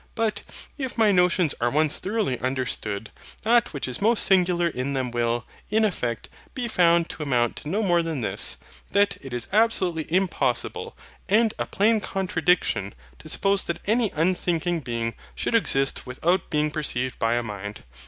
But, if my notions are once thoroughly understood, that which is most singular in them will, in effect, be found to amount to no more than this. that it is absolutely impossible, and a plain contradiction, to suppose any unthinking Being should exist without being perceived by a Mind.